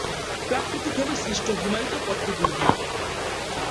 প্রাকৃতিকভাবে সৃষ্ট হিমায়িত পথটি দীর্ঘ।